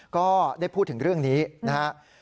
ก็ได้พูดถึงเรื่องนี้นะครับ